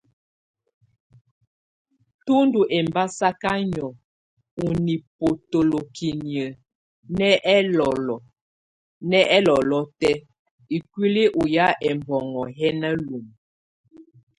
Tù ndù ɛmbasaka nìɔ̂ɔ ù nibotolokiniǝ́ nɛ ɛlɔlɔ tɛ̀á ikuili ù yá ɛmnoŋɔ yɛ na lumǝ.